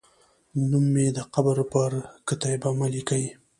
نوم مې د قبر پر کتیبه مه لیکئ